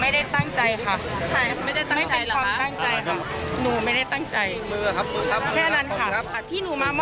แต่หนูไม่ได้ตั้งใจค่ะไม่เป็นความตั้งใจค่ะหนูไม่ได้ตั้งใจ